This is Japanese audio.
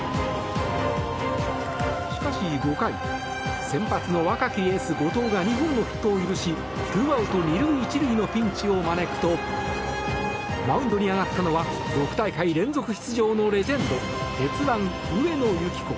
しかし、５回先発の若きエース、後藤が２本のヒットを許し２アウト２塁１塁のピンチを招くとマウンドに上がったのは６大会連続出場のレジェンド鉄腕、上野由岐子。